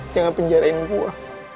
jangan penjarain gue